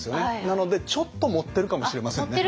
なのでちょっと盛ってるかもしれませんね。